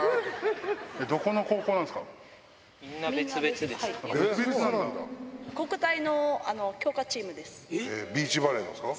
どこの高校なんですか？